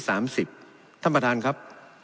ท่านประธานครับ